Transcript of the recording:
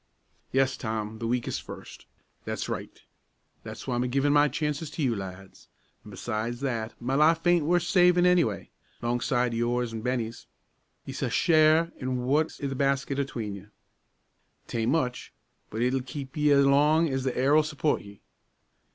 "Yes, Tom, the weakes' first. That's richt; that's why I'm a givin' my chances to you lads. An' besides that, my life ain't worth savin' any way, alongside o' yours an' Bennie's. Ye s'all share what's i' the basket atween ye. 'Tain't much, but it'll keep ye up as long's the air'll support ye.